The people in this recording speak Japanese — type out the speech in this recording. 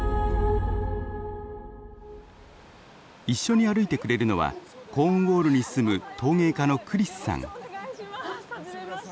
一緒に歩いてくれるのはコーンウォールに住む陶芸家のクリスさん。